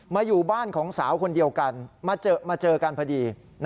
อยู่บ้านของสาวคนเดียวกันมาเจอกันพอดี